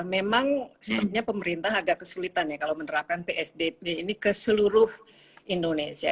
memang sepertinya pemerintah agak kesulitan ya kalau menerapkan psbb ini ke seluruh indonesia